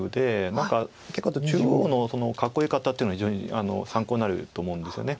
何か結構中央の囲い方っていうのは非常に参考になると思うんですよね。